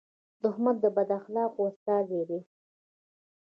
دښمن د بد اخلاقو استازی دی